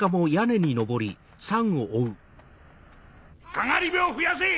かがり火を増やせ！